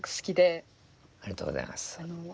ありがとうございます。